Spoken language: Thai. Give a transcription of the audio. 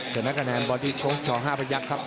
เสร็จนัดกระแนนบริโกฟช่องห้าพะยักษ์ครับ